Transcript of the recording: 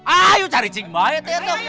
ayo cari cinggung bayi teh itu